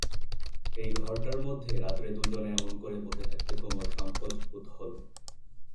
এই ঘরটার মধ্যে রাত্রে দুজনে এমন করে বসে থাকতে কুমুর সংকোচ বোধ হল।